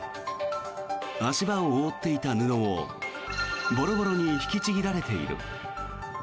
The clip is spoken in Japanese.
足場を覆っていた布もボロボロに引きちぎられている。